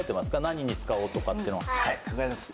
何に使おうとかっていうのはい考えてます